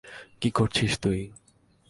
কী করছিস তুই?